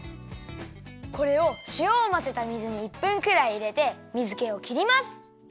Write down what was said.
これをしおをまぜた水に１分くらいいれて水けをきります。